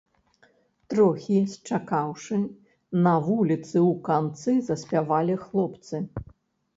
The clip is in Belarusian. Трохі счакаўшы, на вуліцы ў канцы заспявалі хлопцы.